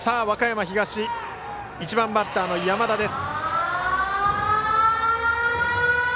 和歌山東、１番バッターの山田。